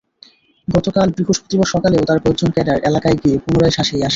গতকাল বৃহস্পতিবার সকালেও তাঁর কয়েকজন ক্যাডার এলাকায় গিয়ে পুনরায় শাসিয়ে আসেন।